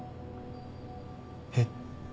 えっ？